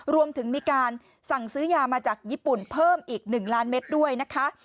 รวมถึงมีการสั่งซื้อยามาจากญี่ปุ่นเพิ่มอีก๑ล้านเม็ดด้วยนะคะ